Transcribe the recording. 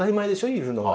いるのが。